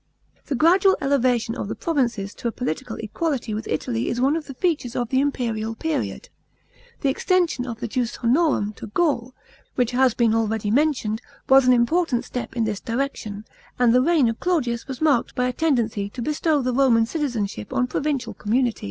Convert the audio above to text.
§ 9. The gradual elevation of the provinces to a poHtical equality with Italy is one of the features of the imperial period. The extension of the ius honorum to Gaul, which has been already mentioned, was an important step in this direc tion, and the reign of Claudius was marked by a tendency to bestow the Roman citizenship on provincial communities.